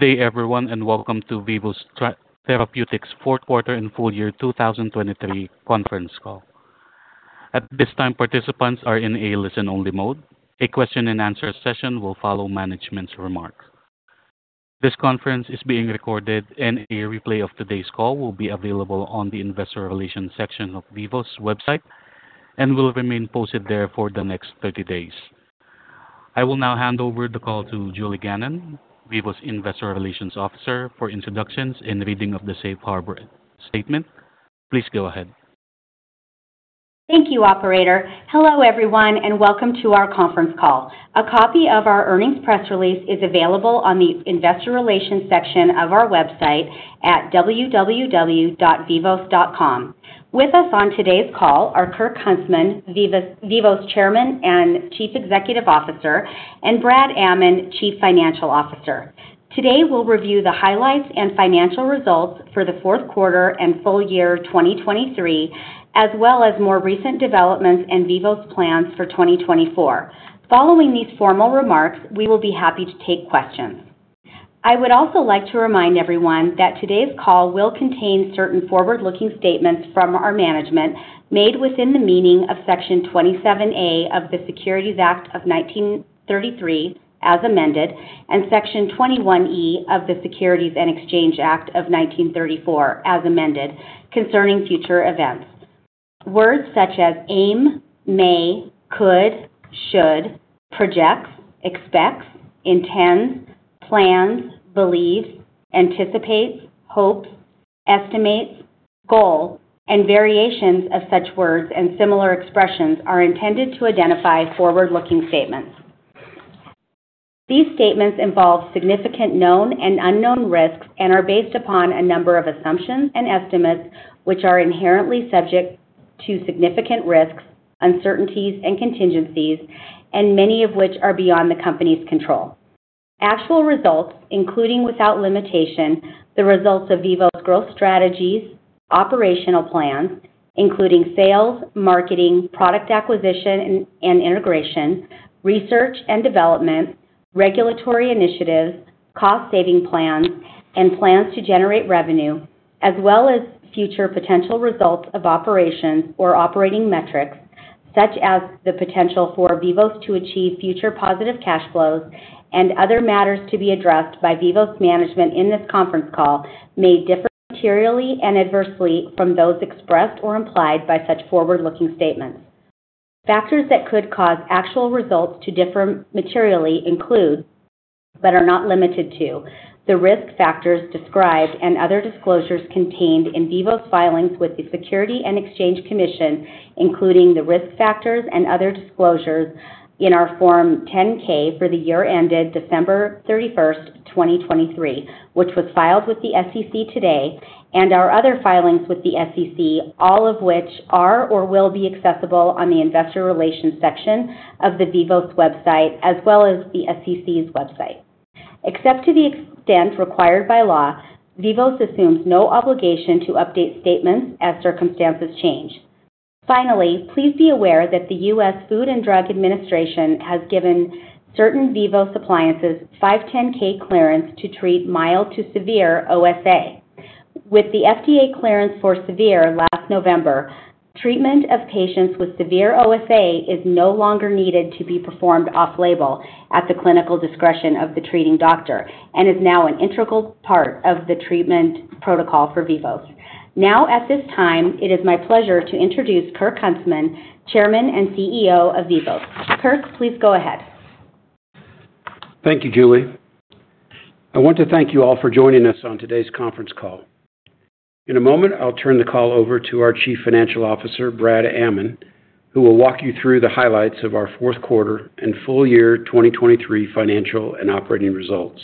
Good day everyone, and welcome to Vivos Therapeutics' fourth quarter and full-year 2023 conference call. At this time, participants are in a listen-only mode. A question-and-answer session will follow management's remarks. This conference is being recorded, and a replay of today's call will be available on the investor relations section of Vivos' website and will remain posted there for the next 30 days. I will now hand over the call to Julie Gannon, Vivos' Investor Relations Officer, for introductions and reading of the Safe Harbor Statement. Please go ahead. Thank you, operator. Hello everyone, and welcome to our conference call. A copy of our earnings press release is available on the investor relations section of our website at www.vivos.com. With us on today's call are Kirk Huntsman, Vivos' Chairman and Chief Executive Officer, and Brad Amman, Chief Financial Officer. Today we'll review the highlights and financial results for the fourth quarter and full-year 2023, as well as more recent developments in Vivos' plans for 2024. Following these formal remarks, we will be happy to take questions. I would also like to remind everyone that today's call will contain certain forward-looking statements from our management made within the meaning of Section 27A of the Securities Act of 1933 as amended and Section 21E of the Securities and Exchange Act of 1934 as amended concerning future events. Words such as aim, may, could, should, projects, expects, intends, plans, believes, anticipates, hopes, estimates, goal, and variations of such words and similar expressions are intended to identify forward-looking statements. These statements involve significant known and unknown risks and are based upon a number of assumptions and estimates which are inherently subject to significant risks, uncertainties, and contingencies, and many of which are beyond the company's control. Actual results, including without limitation, the results of Vivos' growth strategies, operational plans including sales, marketing, product acquisition and integration, research and development, regulatory initiatives, cost-saving plans, and plans to generate revenue, as well as future potential results of operations or operating metrics such as the potential for Vivos to achieve future positive cash flows and other matters to be addressed by Vivos' management in this conference call may differ materially and adversely from those expressed or implied by such forward-looking statements. Factors that could cause actual results to differ materially include, but are not limited to, the risk factors described and other disclosures contained in Vivos' filings with the Securities and Exchange Commission, including the risk factors and other disclosures in our Form 10-K for the year ended December 31st, 2023, which was filed with the SEC today, and our other filings with the SEC, all of which are or will be accessible on the investor relations section of the Vivos' website as well as the SEC's website. Except to the extent required by law, Vivos assumes no obligation to update statements as circumstances change. Finally, please be aware that the U.S. Food and Drug Administration has given certain Vivos appliances 510(k) clearance to treat mild to severe OSA. With the FDA clearance for severe last November, treatment of patients with severe OSA is no longer needed to be performed off-label at the clinical discretion of the treating doctor and is now an integral part of the treatment protocol for Vivos. Now, at this time, it is my pleasure to introduce Kirk Huntsman, Chairman and CEO of Vivos. Kirk, please go ahead. Thank you, Julie. I want to thank you all for joining us on today's conference call. In a moment, I'll turn the call over to our Chief Financial Officer, Brad Amman, who will walk you through the highlights of our fourth quarter and full-year 2023 financial and operating results.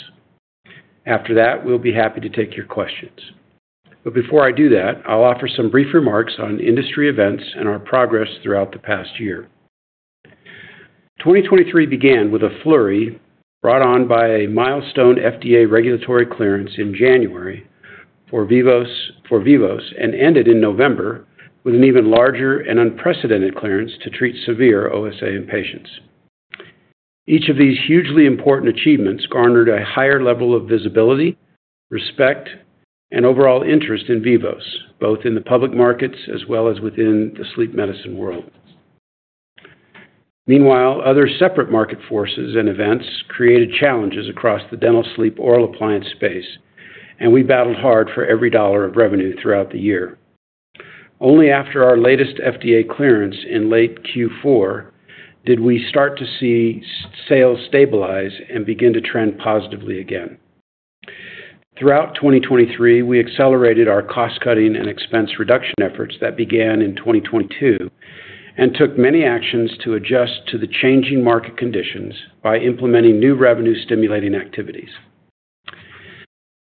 After that, we'll be happy to take your questions. Before I do that, I'll offer some brief remarks on industry events and our progress throughout the past year. 2023 began with a flurry brought on by a milestone FDA regulatory clearance in January for Vivos and ended in November with an even larger and unprecedented clearance to treat severe OSA in patients. Each of these hugely important achievements garnered a higher level of visibility, respect, and overall interest in Vivos, both in the public markets as well as within the sleep medicine world. Meanwhile, other separate market forces and events created challenges across the dental sleep oral appliance space, and we battled hard for every dollar of revenue throughout the year. Only after our latest FDA clearance in late Q4 did we start to see sales stabilize and begin to trend positively again. Throughout 2023, we accelerated our cost-cutting and expense reduction efforts that began in 2022 and took many actions to adjust to the changing market conditions by implementing new revenue-stimulating activities.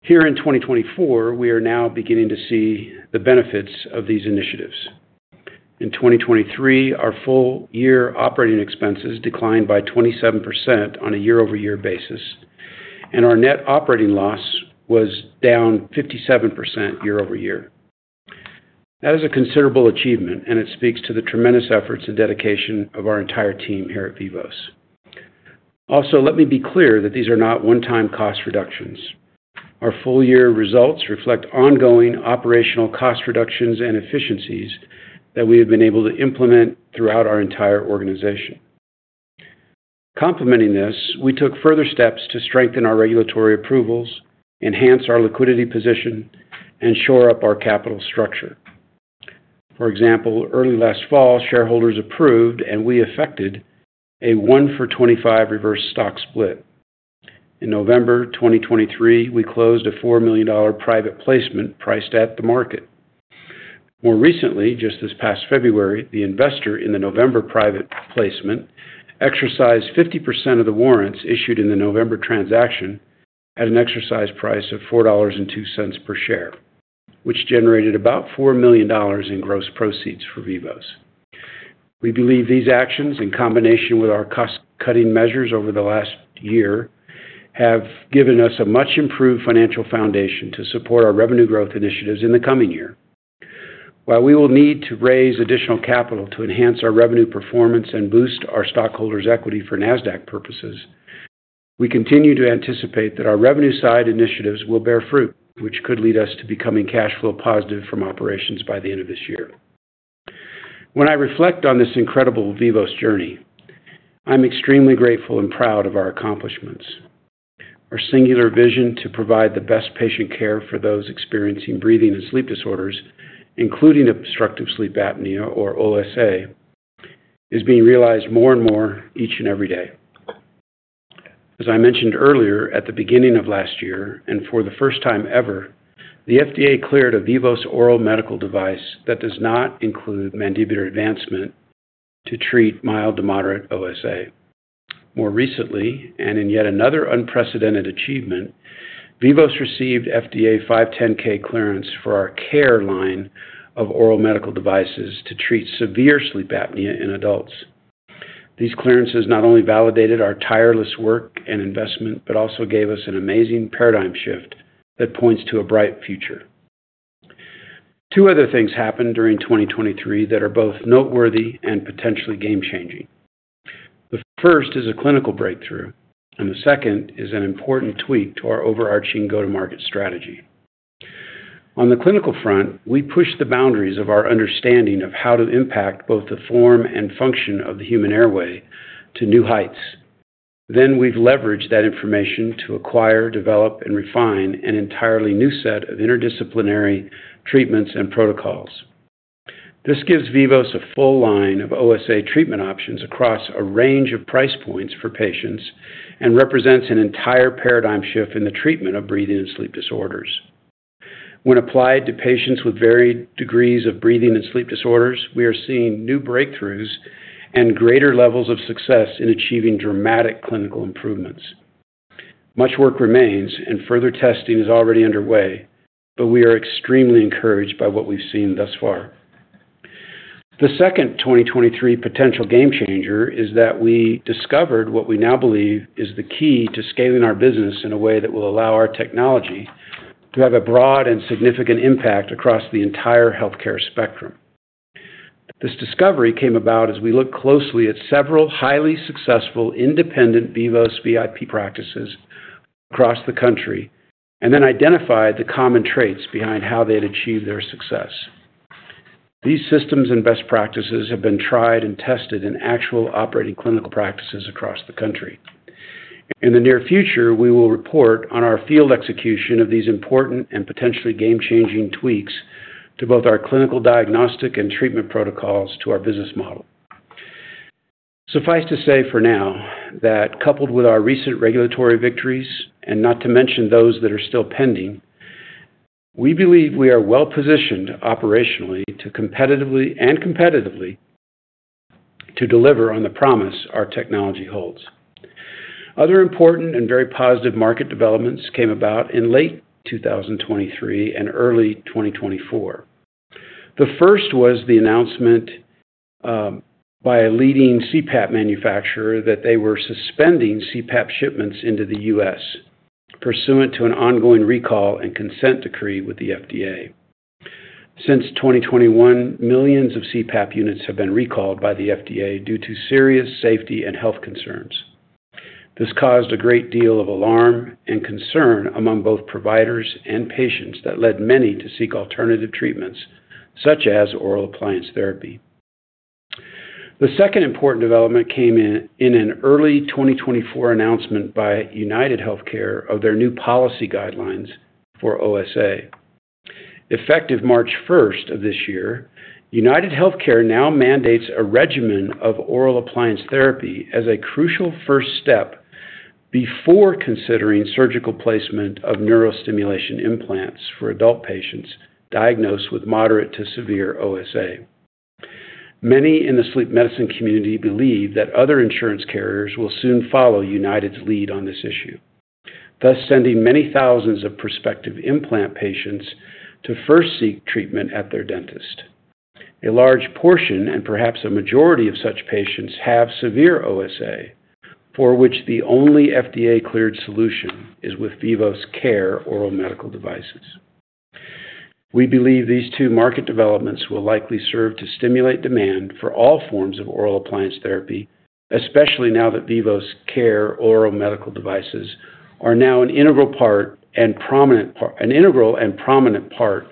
Here in 2024, we are now beginning to see the benefits of these initiatives. In 2023, our full-year operating expenses declined by 27% on a year-over-year basis, and our net operating loss was down 57% year-over-year. That is a considerable achievement, and it speaks to the tremendous efforts and dedication of our entire team here at Vivos. Also, let me be clear that these are not one-time cost reductions. Our full-year results reflect ongoing operational cost reductions and efficiencies that we have been able to implement throughout our entire organization. Complementing this, we took further steps to strengthen our regulatory approvals, enhance our liquidity position, and shore up our capital structure. For example, early last fall, shareholders approved, and we effected, a 1-for-25 reverse stock split. In November 2023, we closed a $4 million private placement priced at the market. More recently, just this past February, the investor in the November private placement exercised 50% of the warrants issued in the November transaction at an exercise price of $4.02 per share, which generated about $4 million in gross proceeds for Vivos. We believe these actions, in combination with our cost-cutting measures over the last year, have given us a much-improved financial foundation to support our revenue growth initiatives in the coming year. While we will need to raise additional capital to enhance our revenue performance and boost our stockholders' equity for Nasdaq purposes, we continue to anticipate that our revenue-side initiatives will bear fruit, which could lead us to becoming cash flow positive from operations by the end of this year. When I reflect on this incredible Vivos journey, I'm extremely grateful and proud of our accomplishments. Our singular vision to provide the best patient care for those experiencing breathing and sleep disorders, including obstructive sleep apnea or OSA, is being realized more and more each and every day. As I mentioned earlier, at the beginning of last year and for the first time ever, the FDA cleared a Vivos oral medical device that does not include mandibular advancement to treat mild to moderate OSA. More recently, and in yet another unprecedented achievement, Vivos received FDA 510(k) clearance for our care line of oral medical devices to treat severe sleep apnea in adults. These clearances not only validated our tireless work and investment but also gave us an amazing paradigm shift that points to a bright future. Two other things happened during 2023 that are both noteworthy and potentially game-changing. The first is a clinical breakthrough, and the second is an important tweak to our overarching go-to-market strategy. On the clinical front, we pushed the boundaries of our understanding of how to impact both the form and function of the human airway to new heights. We've leveraged that information to acquire, develop, and refine an entirely new set of interdisciplinary treatments and protocols. This gives Vivos a full line of OSA treatment options across a range of price points for patients and represents an entire paradigm shift in the treatment of breathing and sleep disorders. When applied to patients with varied degrees of breathing and sleep disorders, we are seeing new breakthroughs and greater levels of success in achieving dramatic clinical improvements. Much work remains, and further testing is already underway, but we are extremely encouraged by what we've seen thus far. The second 2023 potential game-changer is that we discovered what we now believe is the key to scaling our business in a way that will allow our technology to have a broad and significant impact across the entire healthcare spectrum. This discovery came about as we looked closely at several highly successful independent Vivos VIP practices across the country and then identified the common traits behind how they had achieved their success. These systems and best practices have been tried and tested in actual operating clinical practices across the country. In the near future, we will report on our field execution of these important and potentially game-changing tweaks to both our clinical diagnostic and treatment protocols to our business model. Suffice to say for now that, coupled with our recent regulatory victories and not to mention those that are still pending, we believe we are well-positioned operationally to competitively and competitively deliver on the promise our technology holds. Other important and very positive market developments came about in late 2023 and early 2024. The first was the announcement by a leading CPAP manufacturer that they were suspending CPAP shipments into the U.S. pursuant to an ongoing recall and consent decree with the FDA. Since 2021, millions of CPAP units have been recalled by the FDA due to serious safety and health concerns. This caused a great deal of alarm and concern among both providers and patients that led many to seek alternative treatments such as oral appliance therapy. The second important development came in an early 2024 announcement by UnitedHealthcare of their new policy guidelines for OSA. Effective March 1st of this year, UnitedHealthcare now mandates a regimen of oral appliance therapy as a crucial first step before considering surgical placement of neurostimulation implants for adult patients diagnosed with moderate to severe OSA. Many in the sleep medicine community believe that other insurance carriers will soon follow United's lead on this issue, thus sending many thousands of prospective implant patients to first seek treatment at their dentist. A large portion and perhaps a majority of such patients have severe OSA, for which the only FDA-cleared solution is with Vivos CARE oral medical devices. We believe these two market developments will likely serve to stimulate demand for all forms of oral appliance therapy, especially now that Vivos CARE oral medical devices are now an integral and prominent part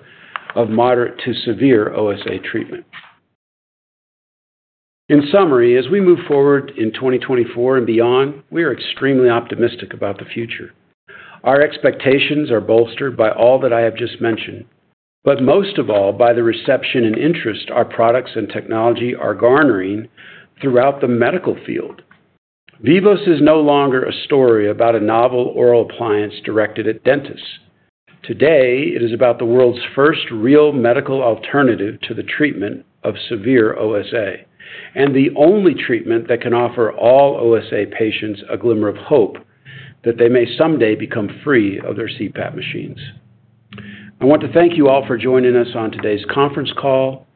of moderate to severe OSA treatment. In summary, as we move forward in 2024 and beyond, we are extremely optimistic about the future. Our expectations are bolstered by all that I have just mentioned, but most of all by the reception and interest our products and technology are garnering throughout the medical field. Vivos is no longer a story about a novel oral appliance directed at dentists. Today, it is about the world's first real medical alternative to the treatment of severe OSA and the only treatment that can offer all OSA patients a glimmer of hope that they may someday become free of their CPAP machines. I want to thank you all for joining us on today's conference call.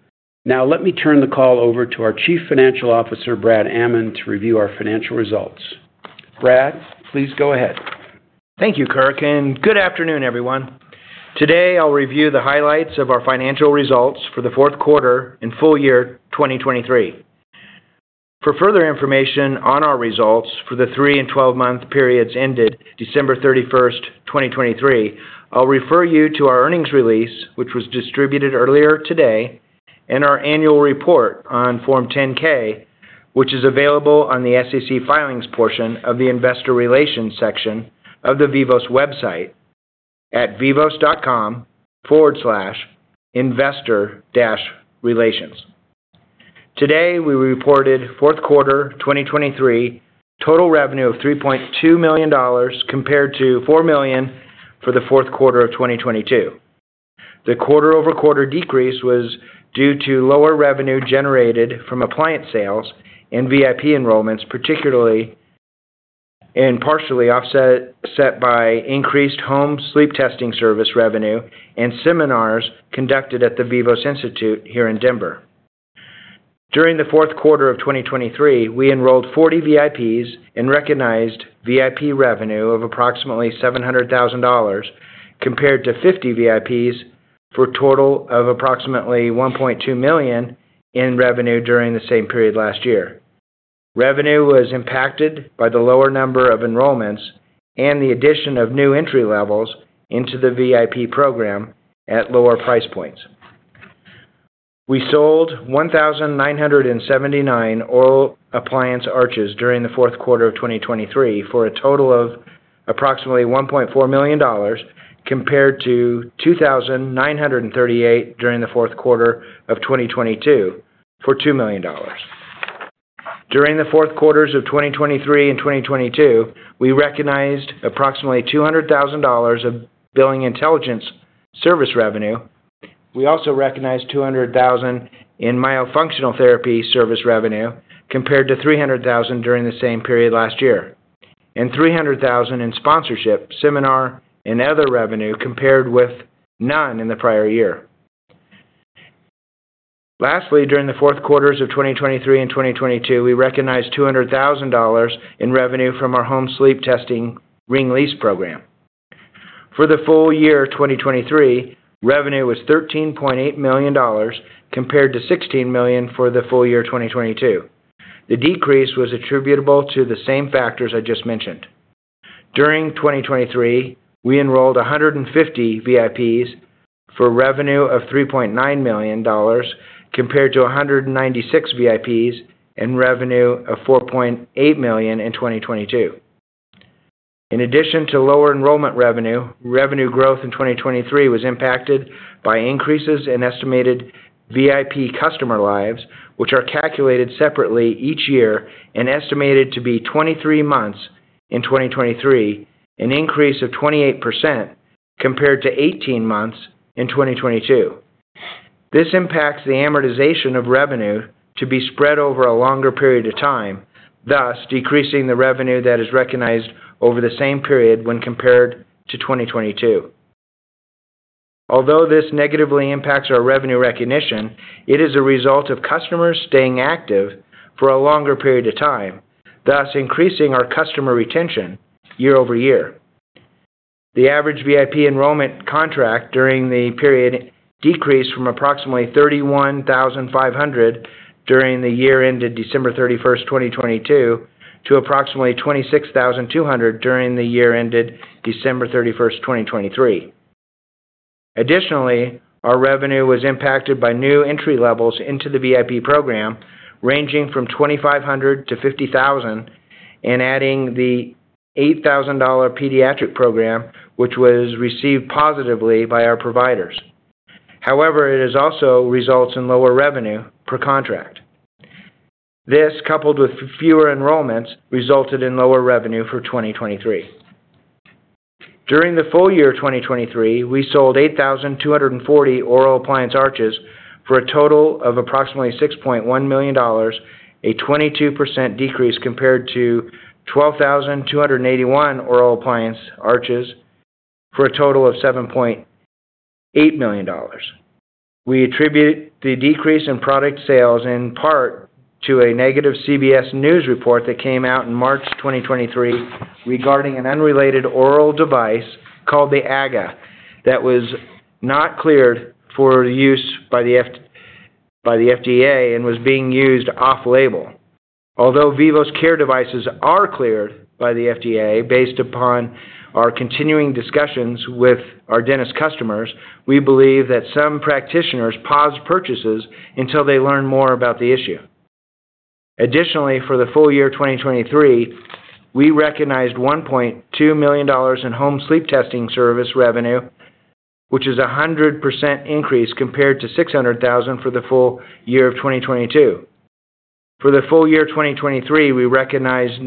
Now, let me turn the call over to our Chief Financial Officer, Brad Amman, to review our financial results. Brad, please go ahead. Thank you, Kirk, and good afternoon, everyone. Today, I'll review the highlights of our financial results for the fourth quarter and full year 2023. For further information on our results for the three and 12-month periods ended December 31st, 2023, I'll refer you to our earnings release, which was distributed earlier today, and our annual report on Form 10-K, which is available on the SEC filings portion of the investor relations section of the Vivos website at vivos.com/investor-relations. Today, we reported fourth quarter 2023 total revenue of $3.2 million compared to $4 million for the fourth quarter of 2022. The quarter-over-quarter decrease was due to lower revenue generated from appliance sales and VIP enrollments, particularly and partially offset by increased home sleep testing service revenue and seminars conducted at the Vivos Institute here in Denver. During the fourth quarter of 2023, we enrolled 40 VIPs and recognized VIP revenue of approximately $700,000 compared to 50 VIPs for a total of approximately $1.2 million in revenue during the same period last year. Revenue was impacted by the lower number of enrollments and the addition of new entry levels into the VIP program at lower price points. We sold 1,979 oral appliance arches during the fourth quarter of 2023 for a total of approximately $1.4 million compared to 2,938 during the fourth quarter of 2022 for $2 million. During the fourth quarters of 2023 and 2022, we recognized approximately $200,000 of billing intelligence service revenue. We also recognized $200,000 in myofunctional therapy service revenue compared to $300,000 during the same period last year and $300,000 in sponsorship, seminar, and other revenue compared with none in the prior year. Lastly, during the fourth quarters of 2023 and 2022, we recognized $200,000 in revenue from our home sleep testing ring lease program. For the full year 2023, revenue was $13.8 million compared to $16 million for the full year 2022. The decrease was attributable to the same factors I just mentioned. During 2023, we enrolled 150 VIPs for revenue of $3.9 million compared to 196 VIPs and revenue of $4.8 million in 2022. In addition to lower enrollment revenue, revenue growth in 2023 was impacted by increases in estimated VIP customer lives, which are calculated separately each year and estimated to be 23 months in 2023, an increase of 28% compared to 18 months in 2022. This impacts the amortization of revenue to be spread over a longer period of time, thus decreasing the revenue that is recognized over the same period when compared to 2022. Although this negatively impacts our revenue recognition, it is a result of customers staying active for a longer period of time, thus increasing our customer retention year-over-year. The average VIP enrollment contract during the period decreased from approximately $31,500 during the year ended December 31st, 2022, to approximately $26,200 during the year ended December 31st, 2023. Additionally, our revenue was impacted by new entry levels into the VIP program ranging from $2,500-$50,000 and adding the $8,000 pediatric program, which was received positively by our providers. However, it also results in lower revenue per contract. This, coupled with fewer enrollments, resulted in lower revenue for 2023. During the full year 2023, we sold 8,240 oral appliance arches for a total of approximately $6.1 million, a 22% decrease compared to 12,281 oral appliance arches for a total of $7.8 million. We attribute the decrease in product sales in part to a negative CBS News report that came out in March 2023 regarding an unrelated oral device called the AGGA that was not cleared for use by the FDA and was being used off-label. Although Vivos CARE devices are cleared by the FDA based upon our continuing discussions with our dentist customers, we believe that some practitioners pause purchases until they learn more about the issue. Additionally, for the full year 2023, we recognized $1.2 million in home sleep testing service revenue, which is a 100% increase compared to $600,000 for the full year of 2022. For the full year 2023, we recognized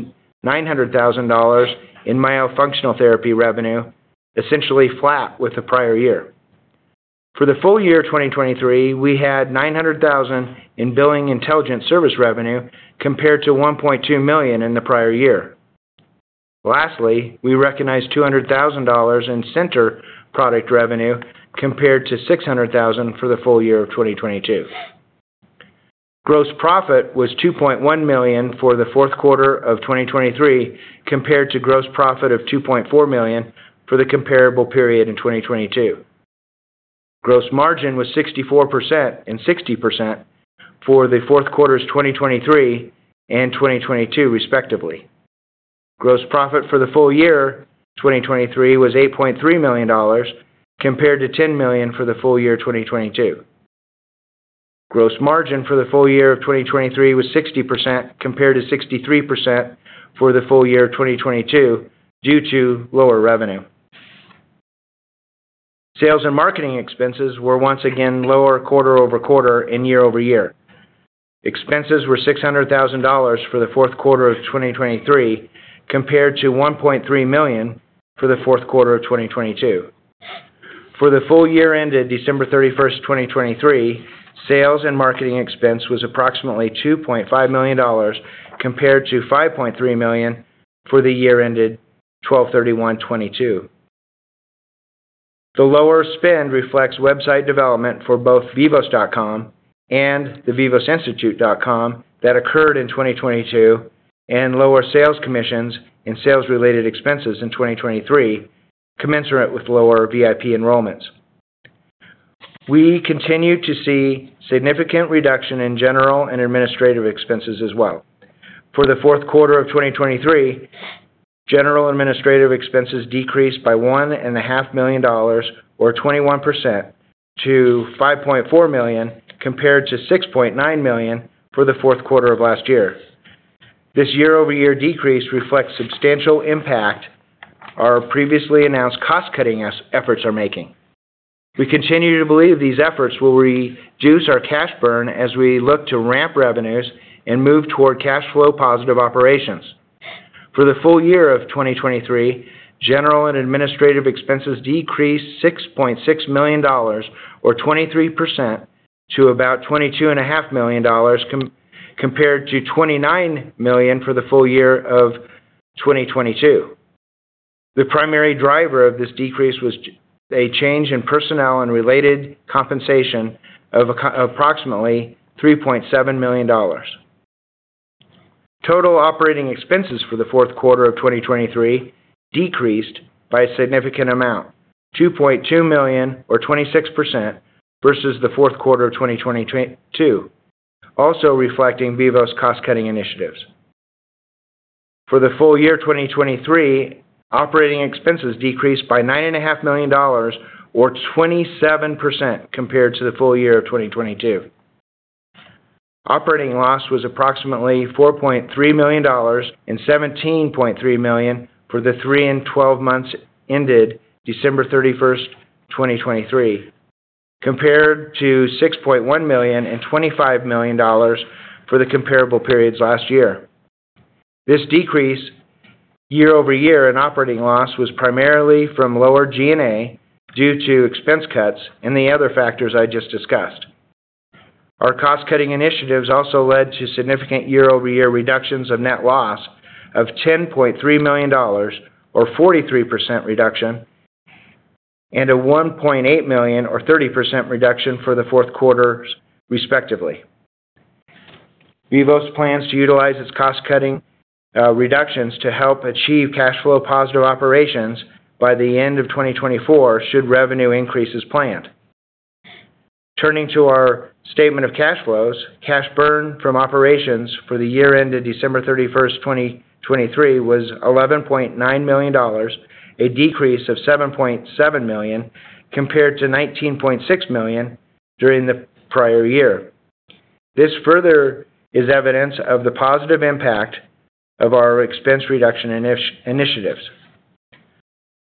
$900,000 in myofunctional therapy revenue, essentially flat with the prior year. For the full year 2023, we had $900,000 in billing intelligence service revenue compared to $1.2 million in the prior year. Lastly, we recognized $200,000 in center product revenue compared to $600,000 for the full year of 2022. Gross profit was $2.1 million for the fourth quarter of 2023 compared to gross profit of $2.4 million for the comparable period in 2022. Gross margin was 64% and 60% for the fourth quarters of 2023 and 2022, respectively. Gross profit for the full year 2023 was $8.3 million compared to $10 million for the full year 2022. Gross margin for the full year of 2023 was 60% compared to 63% for the full year 2022 due to lower revenue. Sales and marketing expenses were once again lower quarter-over-quarter and year-over-year. Expenses were $600,000 for the fourth quarter of 2023 compared to $1.3 million for the fourth quarter of 2022. For the full year ended December 31st, 2023, sales and marketing expense was approximately $2.5 million compared to $5.3 million for the year ended 12/31/2022. The lower spend reflects website development for both vivos.com and thevivosinstitute.com that occurred in 2022 and lower sales commissions and sales-related expenses in 2023, commensurate with lower VIP enrollments. We continue to see significant reduction in general and administrative expenses as well. For the fourth quarter of 2023, general administrative expenses decreased by $1.5 million or 21% to $5.4 million compared to $6.9 million for the fourth quarter of last year. This year-over-year decrease reflects substantial impact our previously announced cost-cutting efforts are making. We continue to believe these efforts will reduce our cash burn as we look to ramp revenues and move toward cash-flow-positive operations. For the full year of 2023, general and administrative expenses decreased $6.6 million or 23% to about $22.5 million compared to $29 million for the full year of 2022. The primary driver of this decrease was a change in personnel and related compensation of approximately $3.7 million. Total operating expenses for the fourth quarter of 2023 decreased by a significant amount, $2.2 million or 26% versus the fourth quarter of 2022, also reflecting Vivos cost-cutting initiatives. For the full year 2023, operating expenses decreased by $9.5 million or 27% compared to the full year of 2022. Operating loss was approximately $4.3 million and $17.3 million for the three and 12 months ended December 31st, 2023, compared to $6.1 million and $25 million for the comparable periods last year. This decrease year-over-year in operating loss was primarily from lower G&A due to expense cuts and the other factors I just discussed. Our cost-cutting initiatives also led to significant year-over-year reductions of net loss of $10.3 million or 43% reduction and a $1.8 million or 30% reduction for the fourth quarters, respectively. Vivos plans to utilize its cost-cutting reductions to help achieve cash-flow-positive operations by the end of 2024 should revenue increase as planned. Turning to our statement of cash flows, cash burn from operations for the year ended December 31st, 2023, was $11.9 million, a decrease of $7.7 million compared to $19.6 million during the prior year. This further is evidence of the positive impact of our expense reduction initiatives.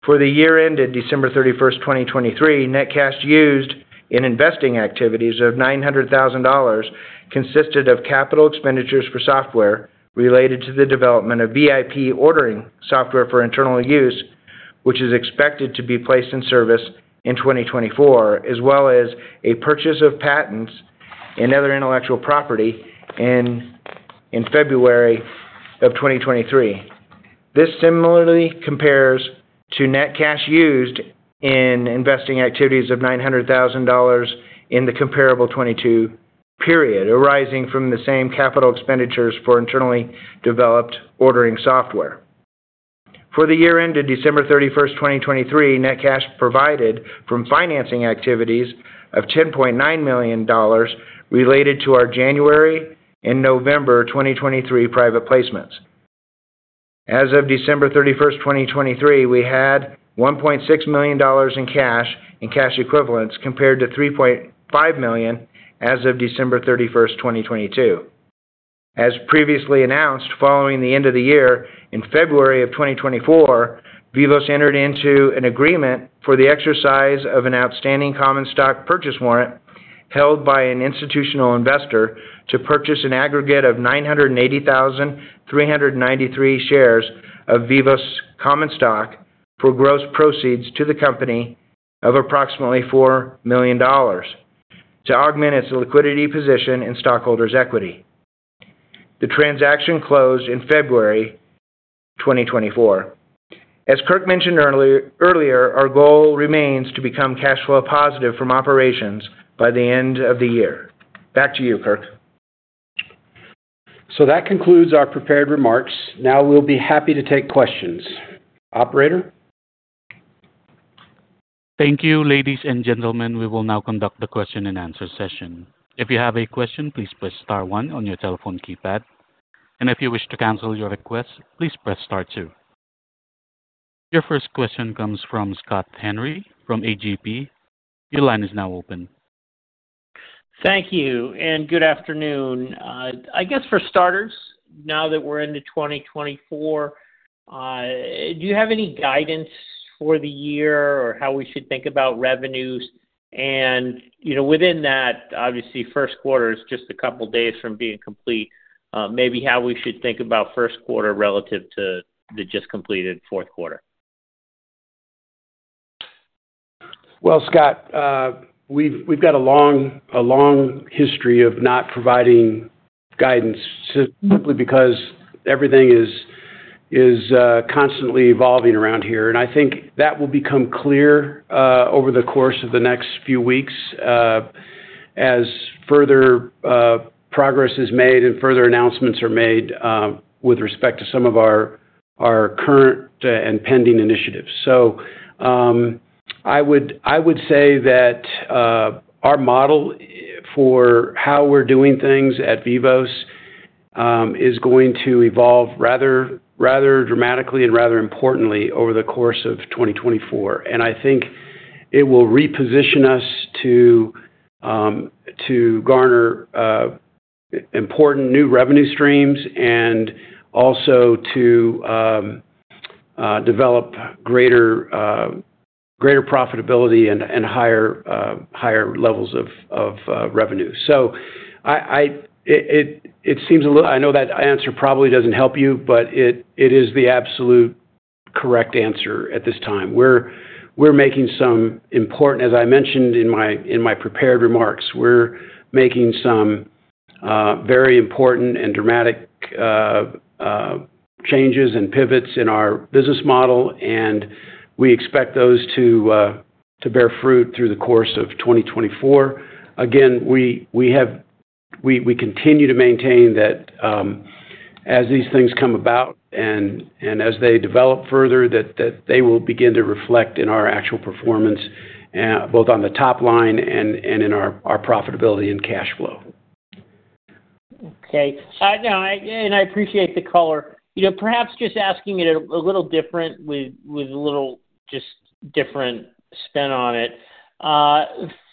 For the year ended December 31st, 2023, net cash used in investing activities of $900,000 consisted of capital expenditures for software related to the development of VIP ordering software for internal use, which is expected to be placed in service in 2024, as well as a purchase of patents and other intellectual property in February of 2023. This similarly compares to net cash used in investing activities of $900,000 in the comparable 2022 period, arising from the same capital expenditures for internally developed ordering software. For the year ended December 31st, 2023, net cash provided from financing activities of $10.9 million related to our January and November 2023 private placements. As of December 31st, 2023, we had $1.6 million in cash and cash equivalents compared to $3.5 million as of December 31st, 2022. As previously announced, following the end of the year in February of 2024, Vivos entered into an agreement for the exercise of an outstanding common stock purchase warrant held by an institutional investor to purchase an aggregate of 980,393 shares of Vivos common stock for gross proceeds to the company of approximately $4 million to augment its liquidity position in stockholders' equity. The transaction closed in February 2024. As Kirk mentioned earlier, our goal remains to become cash-flow-positive from operations by the end of the year. Back to you, Kirk. That concludes our prepared remarks. Now we'll be happy to take questions. Operator? Thank you, ladies and gentlemen. We will now conduct the question-and-answer session. If you have a question, please press star one on your telephone keypad. If you wish to cancel your request, please press star two. Your first question comes from Scott Henry from A.G.P. Your line is now open. Thank you. Good afternoon. I guess for starters, now that we're into 2024, do you have any guidance for the year or how we should think about revenues? Within that, obviously, first quarter is just a couple of days from being complete, maybe how we should think about first quarter relative to the just completed fourth quarter? Well, Scott, we've got a long history of not providing guidance simply because everything is constantly evolving around here. And I think that will become clear over the course of the next few weeks as further progress is made and further announcements are made with respect to some of our current and pending initiatives. So I would say that our model for how we're doing things at Vivos is going to evolve rather dramatically and rather importantly over the course of 2024. And I think it will reposition us to garner important new revenue streams and also to develop greater profitability and higher levels of revenue. So it seems a little, I know that answer probably doesn't help you, but it is the absolute correct answer at this time. As I mentioned in my prepared remarks, we're making some very important and dramatic changes and pivots in our business model, and we expect those to bear fruit through the course of 2024. Again, we continue to maintain that as these things come about and as they develop further, that they will begin to reflect in our actual performance both on the top line and in our profitability and cash flow. Okay. And I appreciate the color. Perhaps just asking it a little different with a little just different spin on it.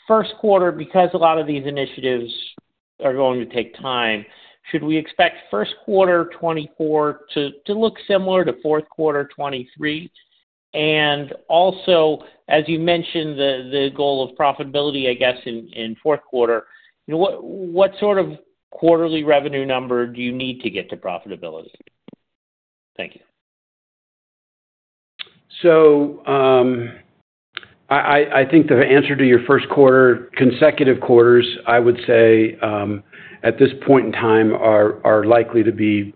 First quarter, because a lot of these initiatives are going to take time, should we expect first quarter 2024 to look similar to fourth quarter 2023? And also, as you mentioned, the goal of profitability, I guess, in fourth quarter, what sort of quarterly revenue number do you need to get to profitability? Thank you. So I think the answer to your first quarter, consecutive quarters, I would say at this point in time are likely to be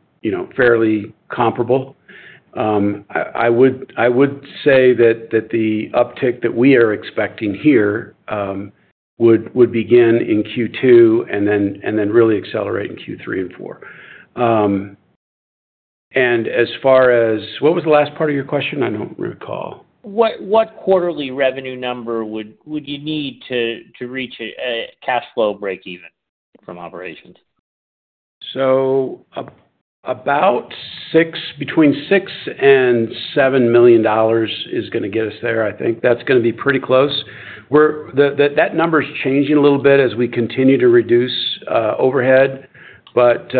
fairly comparable. I would say that the uptick that we are expecting here would begin in Q2 and then really accelerate in Q3 and 4. And as far as what was the last part of your question? I don't recall. What quarterly revenue number would you need to reach a cash flow break-even from operations? So between $6 million and $7 million is going to get us there. I think that's going to be pretty close. That number's changing a little bit as we continue to reduce overhead. But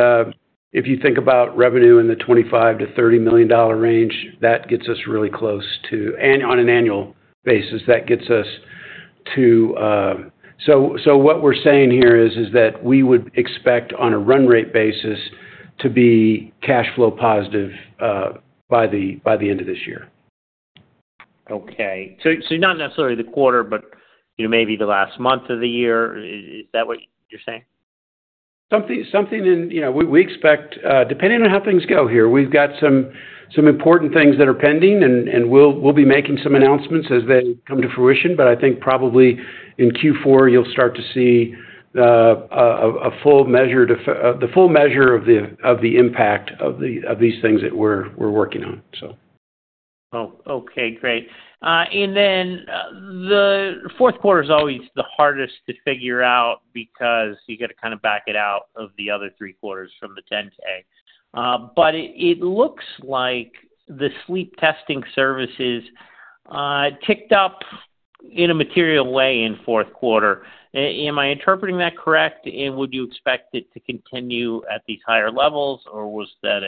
if you think about revenue in the $25 million-$30 million range, that gets us really close to and on an annual basis, that gets us to so what we're saying here is that we would expect on a run-rate basis to be cash flow positive by the end of this year. Okay. So not necessarily the quarter, but maybe the last month of the year. Is that what you're saying? We expect, depending on how things go here, we've got some important things that are pending, and we'll be making some announcements as they come to fruition. But I think probably in Q4, you'll start to see the full measure of the impact of these things that we're working on, so. Oh, okay. Great. And then the fourth quarter's always the hardest to figure out because you got to kind of back it out of the other three quarters from the 10-K. But it looks like the sleep testing services ticked up in a material way in fourth quarter. Am I interpreting that correct? And would you expect it to continue at these higher levels, or was that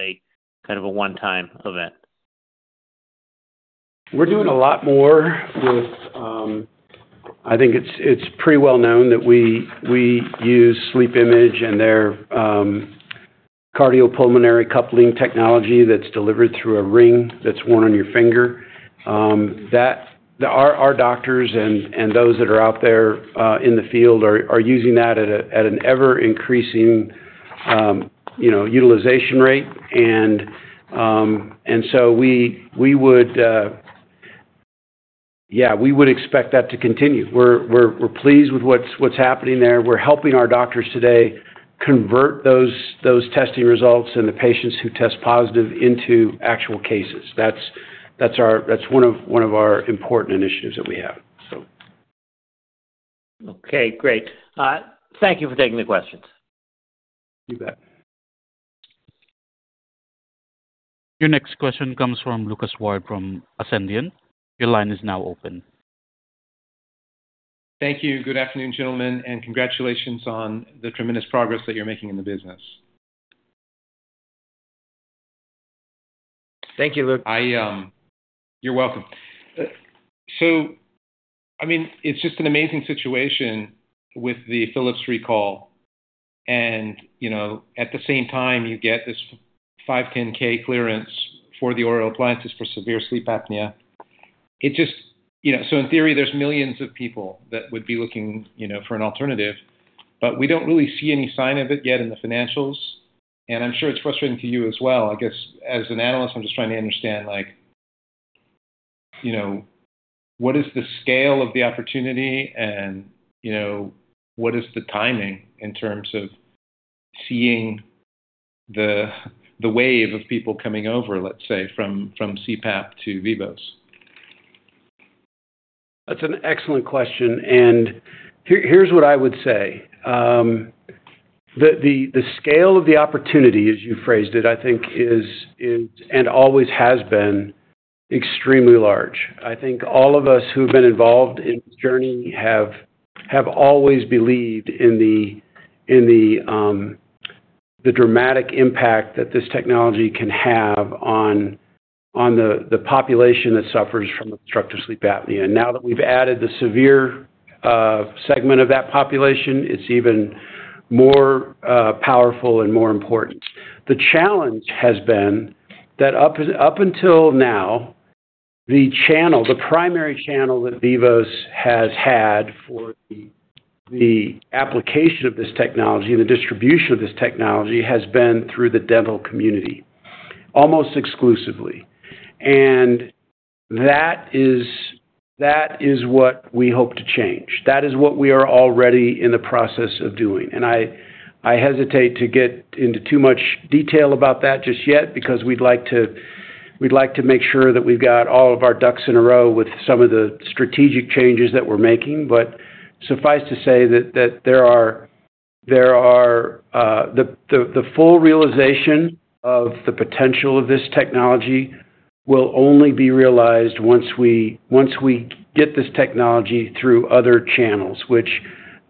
kind of a one-time event? We're doing a lot more with. I think it's pretty well known that we use SleepImage and their cardiopulmonary coupling technology that's delivered through a ring that's worn on your finger. Our doctors and those that are out there in the field are using that at an ever-increasing utilization rate. And so we would yeah, we would expect that to continue. We're pleased with what's happening there. We're helping our doctors today convert those testing results and the patients who test positive into actual cases. That's one of our important initiatives that we have, so. Okay. Great. Thank you for taking the questions. You bet. Your next question comes from Lucas Ward from Ascendiant. Your line is now open. Thank you. Good afternoon, gentlemen, and congratulations on the tremendous progress that you're making in the business. Thank you, Luke. You're welcome. So I mean, it's just an amazing situation with the Philips recall. And at the same time, you get this 510(k) clearance for the oral appliances for severe sleep apnea. So in theory, there's millions of people that would be looking for an alternative, but we don't really see any sign of it yet in the financials. And I'm sure it's frustrating to you as well. I guess as an analyst, I'm just trying to understand what is the scale of the opportunity, and what is the timing in terms of seeing the wave of people coming over, let's say, from CPAP to Vivos? That's an excellent question. Here's what I would say. The scale of the opportunity, as you phrased it, I think is and always has been extremely large. I think all of us who have been involved in this journey have always believed in the dramatic impact that this technology can have on the population that suffers from obstructive sleep apnea. Now that we've added the severe segment of that population, it's even more powerful and more important. The challenge has been that up until now, the primary channel that Vivos has had for the application of this technology and the distribution of this technology has been through the dental community almost exclusively. That is what we hope to change. That is what we are already in the process of doing. I hesitate to get into too much detail about that just yet because we'd like to make sure that we've got all of our ducks in a row with some of the strategic changes that we're making. But suffice to say that there are the full realization of the potential of this technology will only be realized once we get this technology through other channels, which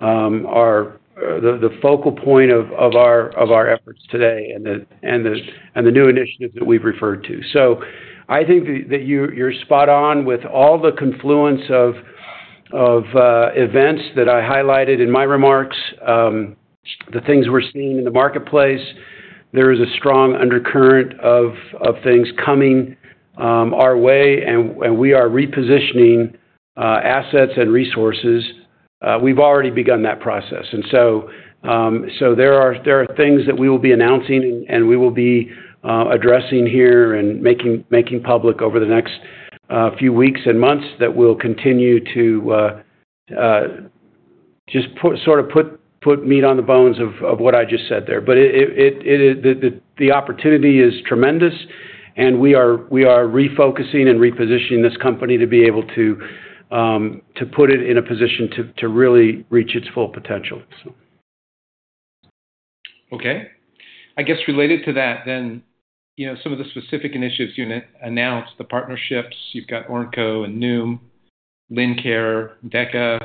are the focal point of our efforts today and the new initiatives that we've referred to. So I think that you're spot on with all the confluence of events that I highlighted in my remarks, the things we're seeing in the marketplace. There is a strong undercurrent of things coming our way, and we are repositioning assets and resources. We've already begun that process. There are things that we will be announcing, and we will be addressing here and making public over the next few weeks and months that will continue to just sort of put meat on the bones of what I just said there. The opportunity is tremendous, and we are refocusing and repositioning this company to be able to put it in a position to really reach its full potential. Okay. I guess related to that then, some of the specific initiatives you announced, the partnerships, you've got Ormco and Noum, Lincare, DECA.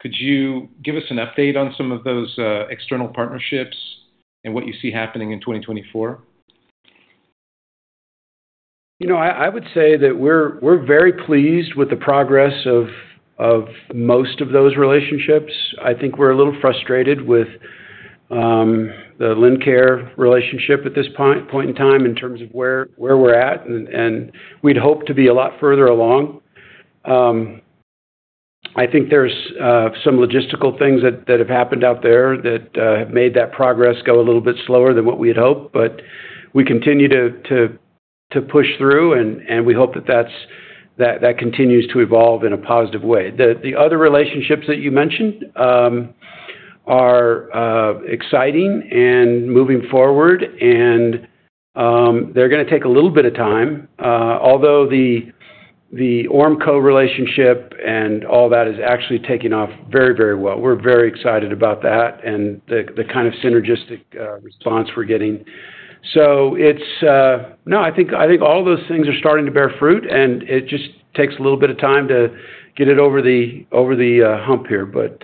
Could you give us an update on some of those external partnerships and what you see happening in 2024? I would say that we're very pleased with the progress of most of those relationships. I think we're a little frustrated with the Lincare relationship at this point in time in terms of where we're at, and we'd hope to be a lot further along. I think there's some logistical things that have happened out there that have made that progress go a little bit slower than what we had hoped, but we continue to push through, and we hope that that continues to evolve in a positive way. The other relationships that you mentioned are exciting and moving forward, and they're going to take a little bit of time, although the Ormco relationship and all that is actually taking off very, very well. We're very excited about that and the kind of synergistic response we're getting. So no, I think all of those things are starting to bear fruit, and it just takes a little bit of time to get it over the hump here. But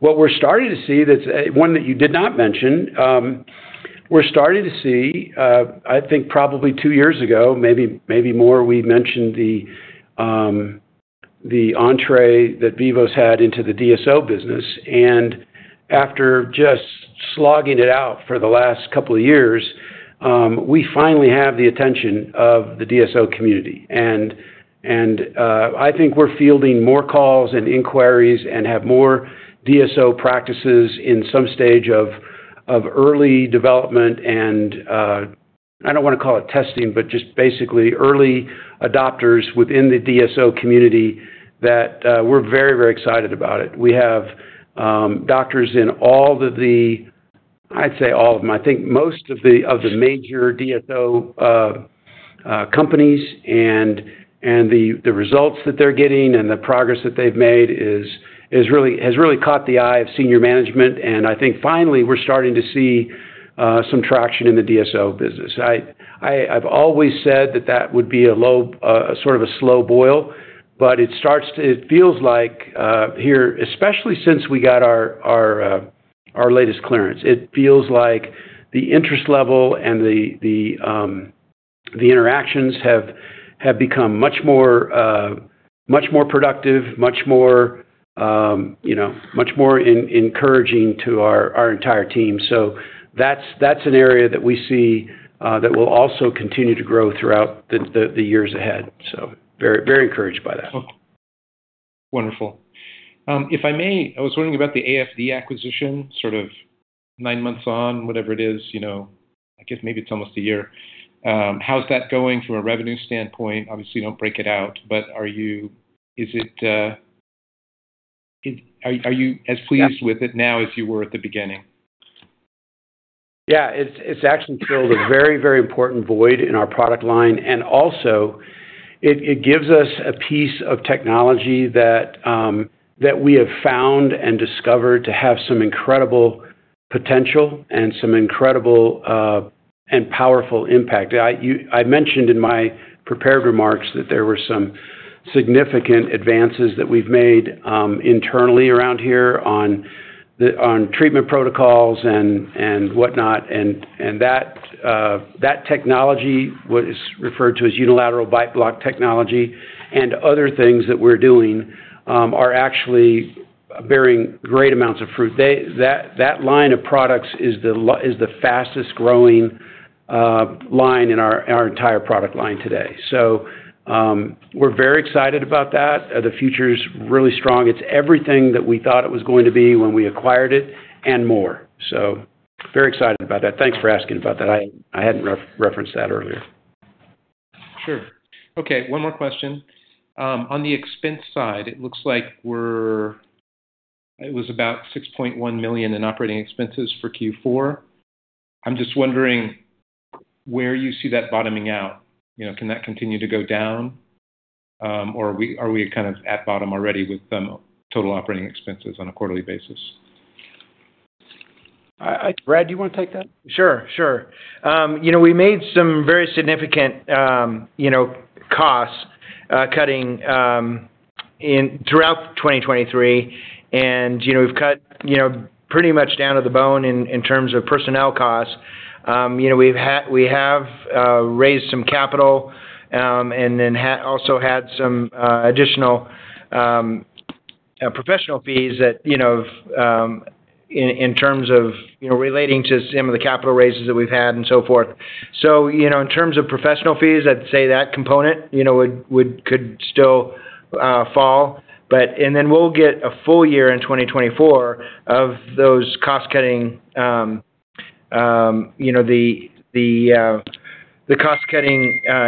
what we're starting to see, one that you did not mention, we're starting to see, I think probably two years ago, maybe more, we mentioned the entry that Vivos had into the DSO business. And after just slogging it out for the last couple of years, we finally have the attention of the DSO community. And I think we're fielding more calls and inquiries and have more DSO practices in some stage of early development. And I don't want to call it testing, but just basically early adopters within the DSO community that we're very, very excited about it. We have doctors in all of the, I'd say, all of them. I think most of the major DSO companies and the results that they're getting and the progress that they've made has really caught the eye of senior management. I think finally, we're starting to see some traction in the DSO business. I've always said that that would be sort of a slow boil, but it feels like here, especially since we got our latest clearance, it feels like the interest level and the interactions have become much more productive, much more encouraging to our entire team. So that's an area that we see that will also continue to grow throughout the years ahead. So very encouraged by that. Wonderful. If I may, I was wondering about the AFD acquisition, sort of nine months on, whatever it is. I guess maybe it's almost a year. How's that going from a revenue standpoint? Obviously, don't break it out, but is as pleased with it now as you were at the beginning? Yeah. It's actually filled a very, very important void in our product line. And also, it gives us a piece of technology that we have found and discovered to have some incredible potential and some incredible and powerful impact. I mentioned in my prepared remarks that there were some significant advances that we've made internally around here on treatment protocols and whatnot. And that technology, what is referred to as unilateral bite block technology, and other things that we're doing are actually bearing great amounts of fruit. That line of products is the fastest growing line in our entire product line today. So we're very excited about that. The future's really strong. It's everything that we thought it was going to be when we acquired it and more. So very excited about that. Thanks for asking about that. I hadn't referenced that earlier. Sure. Okay. One more question. On the expense side, it looks like it was about $6.1 million in operating expenses for Q4. I'm just wondering where you see that bottoming out. Can that continue to go down, or are we kind of at bottom already with total operating expenses on a quarterly basis? Brad, do you want to take that? Sure. Sure. We made some very significant cost cutting throughout 2023, and we've cut pretty much down to the bone in terms of personnel costs. We have raised some capital and then also had some additional professional fees in terms of relating to some of the capital raises that we've had and so forth. So in terms of professional fees, I'd say that component could still fall. And then we'll get a full year in 2024 of those cost-cutting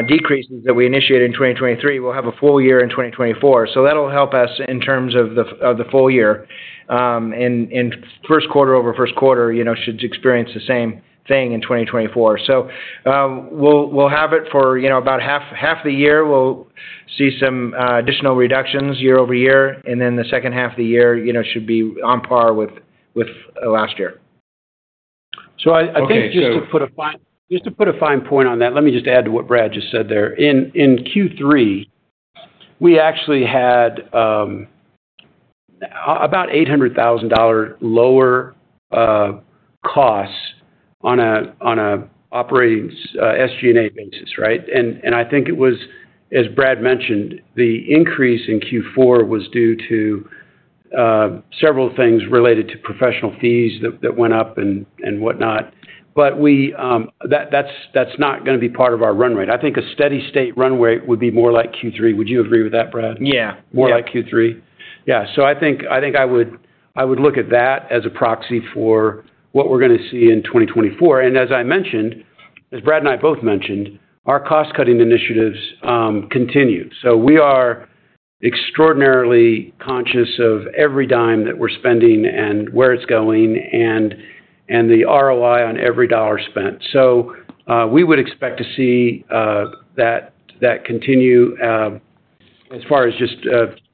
decreases that we initiated in 2023. We'll have a full year in 2024. So that'll help us in terms of the full year. And first quarter over first quarter should experience the same thing in 2024. So we'll have it for about half the year. We'll see some additional reductions year-over-year, and then the second half of the year should be on par with last year. So I think just to put a fine point on that, let me just add to what Brad just said there. In Q3, we actually had about $800,000 lower costs on an operating SG&A basis, right? And I think it was, as Brad mentioned, the increase in Q4 was due to several things related to professional fees that went up and whatnot. But that's not going to be part of our run rate. I think a steady-state run rate would be more like Q3. Would you agree with that, Brad? Yeah. More like Q3. Yeah. So I think I would look at that as a proxy for what we're going to see in 2024. And as I mentioned, as Brad and I both mentioned, our cost-cutting initiatives continue. So we are extraordinarily conscious of every dime that we're spending and where it's going and the ROI on every dollar spent. So we would expect to see that continue as far as just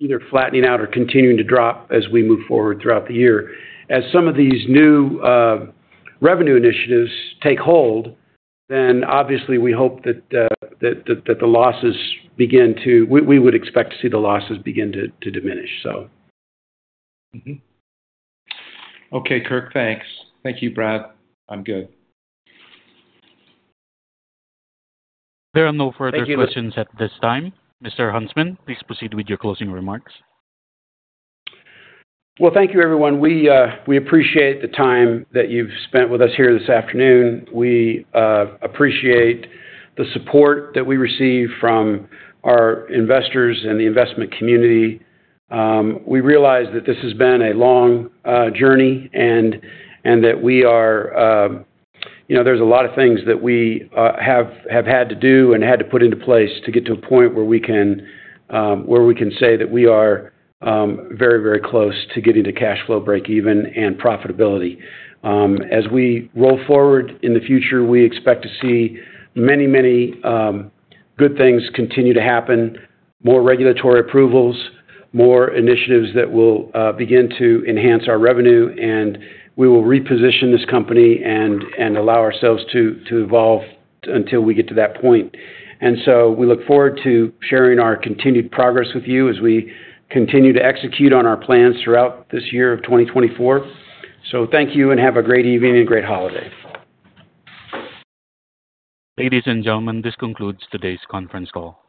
either flattening out or continuing to drop as we move forward throughout the year. As some of these new revenue initiatives take hold, then obviously, we hope that the losses begin to we would expect to see the losses begin to diminish, so. Okay, Kirk. Thanks. Thank you, Brad. I'm good. There are no further questions at this time. Mr. Huntsman, please proceed with your closing remarks. Well, thank you, everyone. We appreciate the time that you've spent with us here this afternoon. We appreciate the support that we receive from our investors and the investment community. We realize that this has been a long journey and that we are, there's a lot of things that we have had to do and had to put into place to get to a point where we can say that we are very, very close to getting to cash flow break-even and profitability. As we roll forward in the future, we expect to see many, many good things continue to happen, more regulatory approvals, more initiatives that will begin to enhance our revenue. We will reposition this company and allow ourselves to evolve until we get to that point. And so we look forward to sharing our continued progress with you as we continue to execute on our plans throughout this year of 2024. So thank you and have a great evening and great holiday. Ladies and gentlemen, this concludes today's conference call.